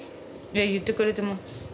言ってくれてます。